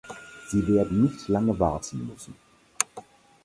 Sie werden nicht lange warten müssen.